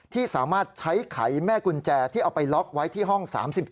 ที่สามารถใช้ไขแม่กุญแจที่เอาไปล็อกไว้ที่ห้อง๓๗